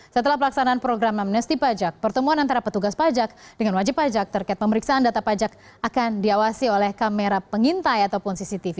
setelah pelaksanaan program amnesti pajak pertemuan antara petugas pajak dengan wajib pajak terkait pemeriksaan data pajak akan diawasi oleh kamera pengintai ataupun cctv